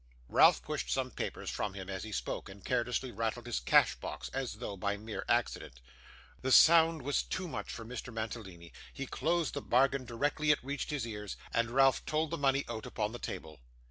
Ralph pushed some papers from him as he spoke, and carelessly rattled his cash box, as though by mere accident. The sound was too much for Mr Mantalini. He closed the bargain directly it reached his ears, and Ralph told the money out upon the table.